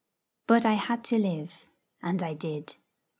But I had to live, and I did.